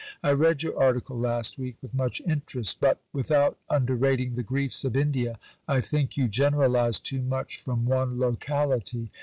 I read your article last week with much interest; but, without underrating the griefs of India, I think you generalise too much from one locality.